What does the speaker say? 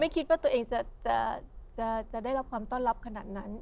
คิดว่าตัวเองจะได้รับความต้อนรับขนาดนั้น